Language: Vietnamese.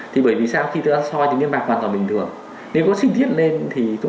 thì đâu là những nguyên nhân chính dẫn đến bệnh lý này ạ